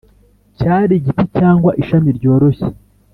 cyari igiti cyangwa ishami ryoroshye,